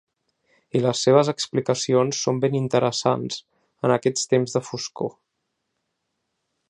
I les seves explicacions són ben interessants en aquests temps de foscor.